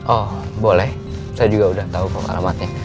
oh boleh saya juga udah tau kelamatnya